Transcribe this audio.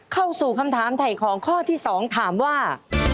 เข้าสู่คำถามถ่ายของข้อที่๒ถามว่า